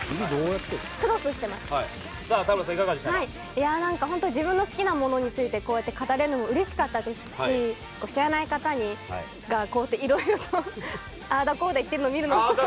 いやなんかホント自分の好きなものについてこうやって語れるのも嬉しかったですし知らない方がこうやって色々とあーだこーだ言ってるのを見るのも。